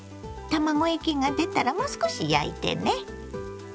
卵液が出たらもう少し焼いてね。